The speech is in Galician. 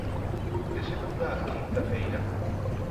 De segunda a quinta feira.